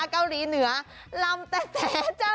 เกาหลีเหนือรำแตะจ้าว